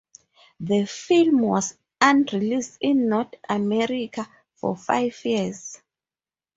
The film was unreleased in North America for five years.